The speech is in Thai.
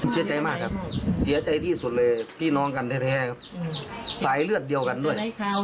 เสียใจมากครับเสียใจที่สุดเลยพี่น้องกันแท้ครับสายเลือดเดียวกันด้วย